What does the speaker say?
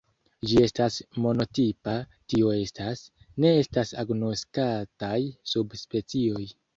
Ĝi estas monotipa, tio estas, ne estas agnoskataj subspecioj.